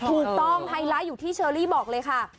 ไฮไลท์อยู่ที่เชอรี่บอกเลยค่ะ